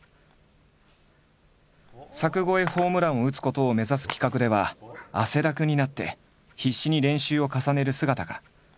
柵越えホームランを打つことを目指す企画では汗だくになって必死に練習を重ねる姿が。